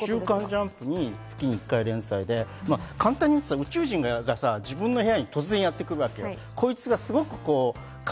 『週刊少年ジャンプ』に月１回連載で、簡単に言ったら、宇宙人が自分の部屋に突然やってくるわけよ。